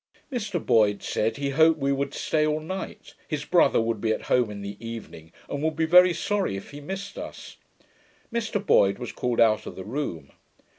Mr Boyd said, he hoped we would stay all night; his brother would be at home in the evening, and would be very sorry if he missed us. Mr Boyd was called out of the room.